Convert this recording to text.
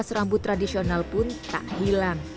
ras rambut tradisional pun tak hilang